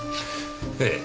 ええ。